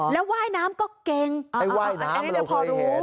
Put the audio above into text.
แล้วไหว้น้ำก็เก่งไหว้น้ำเราเคยเห็น